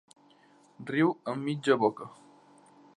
Riu amb mitja boca.